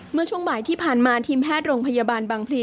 เมื่อช่วงบ่ายที่ผ่านมาทีมแพทย์โรงพยาบาลบางพลี